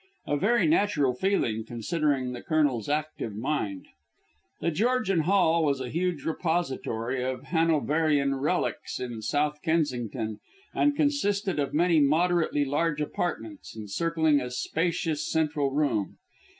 A very natural feeling, considering the Colonel's active mind. The Georgian Hall was a huge repository of Hanoverian relics in South Kensington, and consisted of many moderately large apartments encircling a spacious central room.